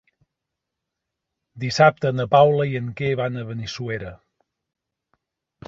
Dissabte na Paula i en Quer van a Benissuera.